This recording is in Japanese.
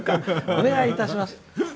お願いいたします」。